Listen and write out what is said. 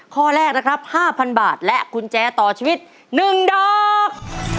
ข้อแรกนะครับ๕๐๐บาทและกุญแจต่อชีวิต๑ดอก